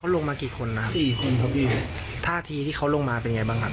ลงมากี่คนนะครับสี่คนครับพี่ท่าทีที่เขาลงมาเป็นไงบ้างครับ